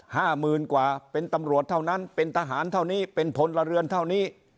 ห้าหมื่นกว่าเป็นตำรวจเท่านั้นเป็นทหารเท่านี้เป็นพลเรือนเท่านี้